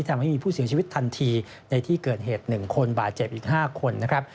ทำให้มีผู้เสียชีวิตทันทีในที่เกิดเหตุ๑คนบาดเจ็บอีก๕คนนะครับ